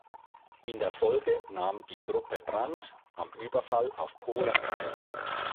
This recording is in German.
In der Folge nahm die "Gruppe Brand" am Überfall auf Polen teil.